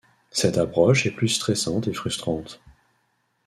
Cette approche est plus stressante et frustrante.